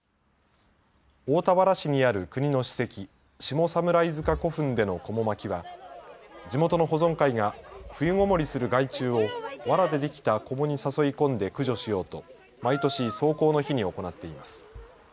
大田原市にある国の史跡、下侍塚古墳でのこも巻きは地元の保存会が冬ごもりする害虫をわらでできたこもに誘い込んで駆除しようと毎年、霜降の日に行っています。